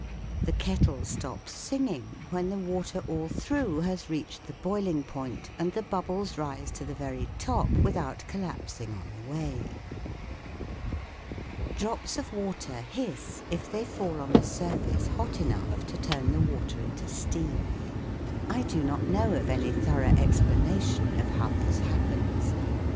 The kettle stops singing when the water all through has reached the boiling point and the bubbles rise to the very top without collapsing on the way. Drops of water hiss if they fall on a surface hot enough to turn the water into steam. I do not know of any thorough explanation of how this happens.